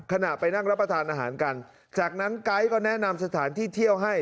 ขณะไปนั่งรับประทานอาหารกันจากนั้นไก๊ก็แนะนำสถานที่เที่ยวให้